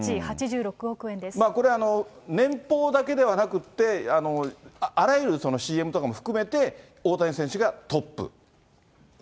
これ、年俸だけではなくって、あらゆるＣＭとかも含めて、大谷選手がトップ。